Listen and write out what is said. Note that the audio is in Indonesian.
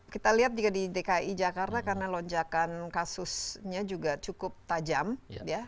kita lihat juga di dki jakarta karena lonjakan kasusnya juga cukup tajam ya